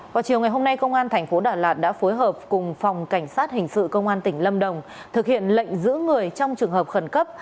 vào chiều ngày hôm nay công an thành phố đà lạt đã phối hợp cùng phòng cảnh sát hình sự công an tỉnh lâm đồng thực hiện lệnh giữ người trong trường hợp khẩn cấp